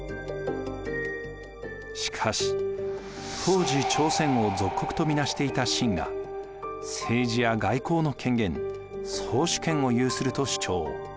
しかし当時朝鮮を属国とみなしていた清が政治や外交の権限・宗主権を有すると主張。